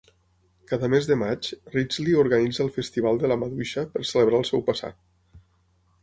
Cada mes de maig, Ridgely organitza el Festival de la maduixa per celebrar el seu passat.